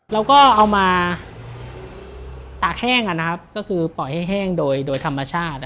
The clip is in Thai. เราก็เอามาตากแห้งนะครับก็คือปล่อยให้แห้งโดยธรรมชาติ